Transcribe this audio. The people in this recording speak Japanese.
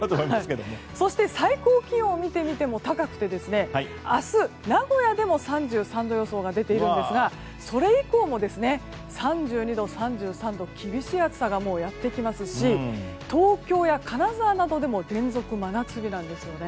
そして最高気温を見てみても高くて、明日、名古屋でも３３度予想が出ているんですがそれ以降も３２度、３３度と厳しい暑さがやってきますし東京や金沢などでも連続真夏日なんですよね。